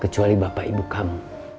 kecuali bapak ibu kamu